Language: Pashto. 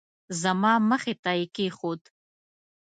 زما مخې ته یې کېښود.